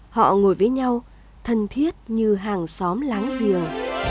họ ngồi với nhau thân thiết như hàng xóm láng giềng